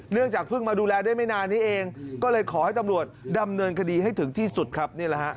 จากเพิ่งมาดูแลได้ไม่นานนี้เองก็เลยขอให้ตำรวจดำเนินคดีให้ถึงที่สุดครับนี่แหละฮะ